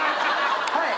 はい。